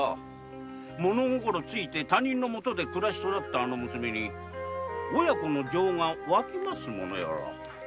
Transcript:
物心ついてより他人のもとで育ったあの娘に親子の情がわきますものやら。